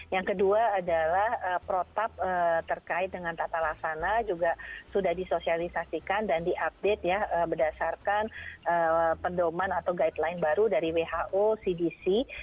yang kedua adalah protap terkait dengan tata laksana juga sudah disosialisasikan dan diupdate ya berdasarkan pendoman atau guideline baru dari who cdc